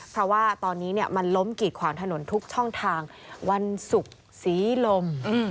เพราะว่าตอนนี้มันล้มกีดขวางถนนทุกช่องทางวันศุกร์ศรีลม